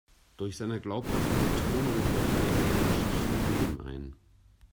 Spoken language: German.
Durch seine glaubhafte Betonung haucht er den Geschichten Leben ein.